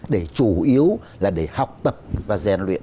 để chủ yếu là để học tập và rèn luyện